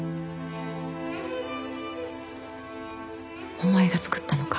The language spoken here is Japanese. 「お前が作ったのか？」